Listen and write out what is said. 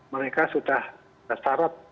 mereka sudah syarat